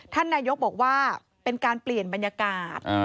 ท่านนายกบอกว่าเป็นการเปลี่ยนบรรยากาศ